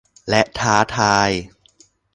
และท้าทาย